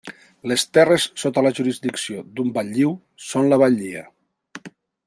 Les terres sota la jurisdicció d'un batlliu són la batllia.